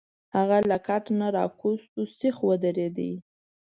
هغه له کټ نه راکوز شو، سیخ ودرید.